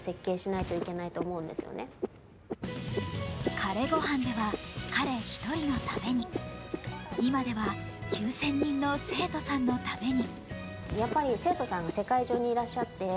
「彼ごはん」では彼１人のために、今では９０００人の生徒さんのために。